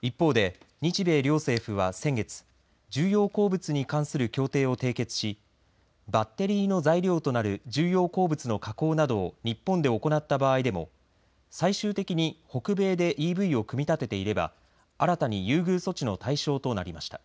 一方で日米両政府は先月重要鉱物に関する協定を締結しバッテリーの材料となる重要鉱物の加工などを日本で行った場合でも最終的に北米でＥＶを組み立てていれば新たに優遇措置の対象となりました。